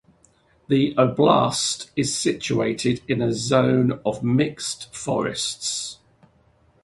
The oblast is situated in a zone of mixed forests.